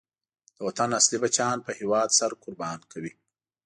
د وطن اصلی بچیان په هېواد سر قربان کوي.